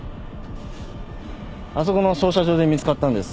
あそこの操車場で見つかったんです。